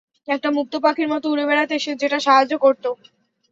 একটা মুক্ত পাখির মতো উড়ে বেড়াতে যেটা সাহায্য করত।